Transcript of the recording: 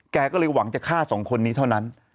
แกก็เลยหวังจะฆ่าสองคนนี้เท่านั้น